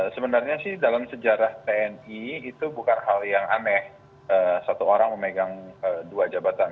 sebenarnya sih dalam sejarah tni itu bukan hal yang aneh satu orang memegang dua jabatan